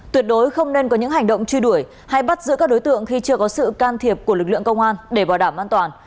tuyệt đối không nên có những hành động truy đuổi hay bắt giữ các đối tượng khi chưa có sự can thiệp của lực lượng công an để bảo đảm an toàn